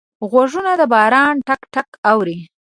غوږونه د باران ټک ټک اوري